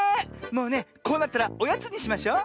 もうねこうなったらおやつにしましょう。